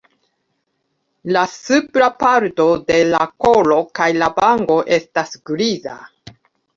La supra parto de la kolo kaj la vango estas griza.